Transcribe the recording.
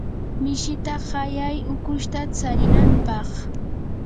mishita qayay ukushta tsarinanpaq.